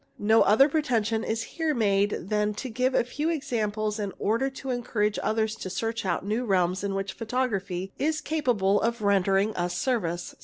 No other pretention is here made than to give a few examples in order j0 encourage others to search out new realms in which photography is capable of rendering us service.